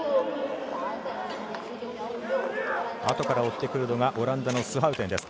あとから追ってくるのがオランダのスハウテン。